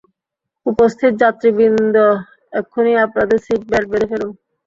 উপস্থিত যাত্রীবৃন্দ, এক্ষুনি আপনাদের সিট বেল্ট বেঁধে ফেলুন।